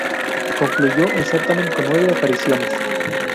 Concluyó el certamen con nueve apariciones.